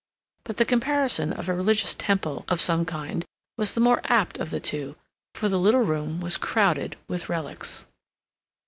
But the comparison to a religious temple of some kind was the more apt of the two, for the little room was crowded with relics.